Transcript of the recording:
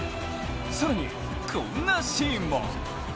更にこんなシーンも。